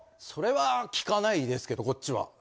それは聞かないですけどこっちは。